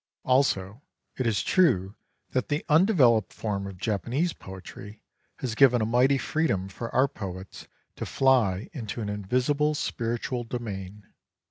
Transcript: Also it is true that the undeveloped form of Japanese poetry has given a mighty freedom for our poets to fly into an invisible spiritual d omain.